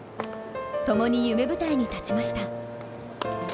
ともに夢舞台に立ちました。